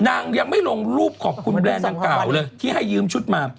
ยังไม่ลงรูปขอบคุณแบรนด์ดังกล่าวเลยที่ให้ยืมชุดมา